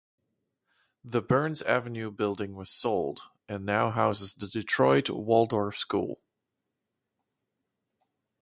The Burns Avenue building was sold, and now houses the Detroit Waldorf School.